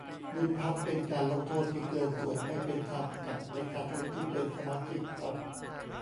ยุบพรรคเป็นการลงโทษที่เกินส่วน ไม่เป็นธรรมกับประชาชนที่เป็นสมาชิกพรรค